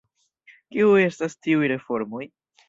Kiuj estas tiuj reformoj?